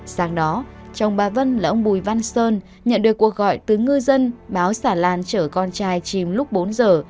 sáng đó chồng bà vân là ông bùi văn sơn nhận được cuộc gọi từ ngư dân báo xà lan chở con trai chìm lúc bốn giờ